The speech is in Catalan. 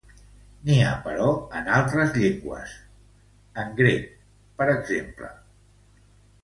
N'hi ha, però, en altres llengües, en grec, per exemple.